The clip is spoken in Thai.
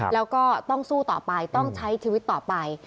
แล้วก็ต้องสู้ต่อไปต้องใช้ชีวิตต่อไป